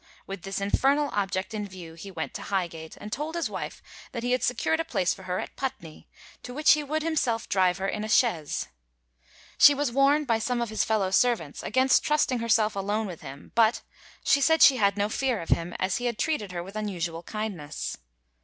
With this infernal object in view he went to Highgate, and told his wife that he had secured a place for her at Putney, to which he would himself drive her in a chaise. She was warned by some of his fellow servants against trusting herself alone with him, but "she said she had no fear of him, as he had treated her with unusual kindness."